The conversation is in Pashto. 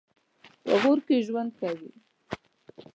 په غور کې ژوند کوي.